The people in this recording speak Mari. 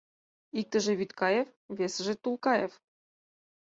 Иктыже — Вӱдкаев, весыже — Тулкаев.